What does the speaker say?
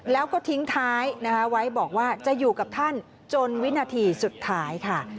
แล้วก็ทิ้งท้ายนะคะไว้บอกว่าจะอยู่กับท่านจนวินาทีสุดท้ายค่ะ